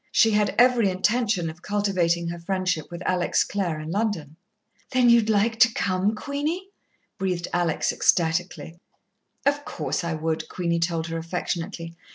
She had every intention of cultivating her friendship with Alex Clare in London. "Then you'd like to come, Queenie?" breathed Alex ecstaticly. "Of course, I would," Queenie told her affectionately.